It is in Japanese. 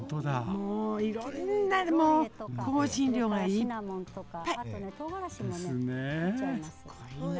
もういろんな香辛料がいっぱい。ですね。